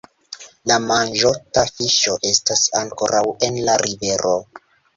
La manĝota fiŝo estas ankoraŭ en la rivero.